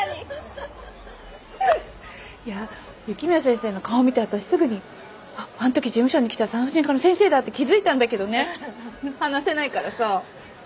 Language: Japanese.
いや雪宮先生の顔見て私すぐにあっあの時事務所に来た産婦人科の先生だって気づいたんだけどね話せないからさ。